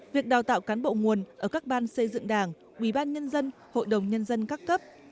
việc đào tạo cán bộ nguồn ở các ban xây dựng đảng quý ban nhân dân hội đồng nhân dân các cấp